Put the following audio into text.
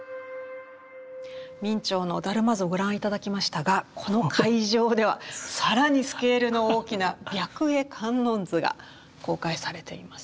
明兆の「達磨図」をご覧頂きましたがこの会場では更にスケールの大きな「白衣観音図」が公開されています。